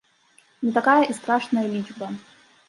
Не такая і страшная лічба.